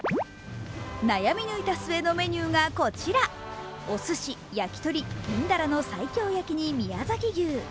悩み抜いた末のメニューが、こちらおすし、焼き鳥、銀だらの西京焼きに宮崎牛。